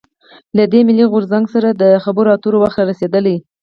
له دې «ملي غورځنګ» سره د خبرواترو وخت رارسېدلی.